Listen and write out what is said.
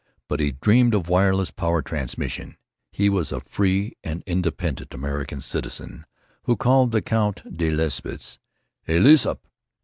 But he dreamed of wireless power transmission. He was a Free and Independent American Citizen who called the Count de Lesseps, "Hey, Lessup."